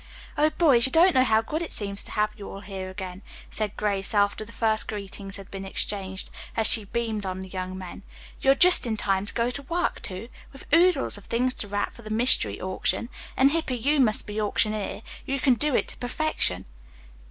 "Oh, boys, you don't know how good it seems to have you all here again," said Grace, after the first greetings had been exchanged, as she beamed on the young men. "You're just in time to go to work, too. We've oodles of things to wrap for the 'Mystery Auction,' and Hippy you must be auctioneer. You can do it to perfection."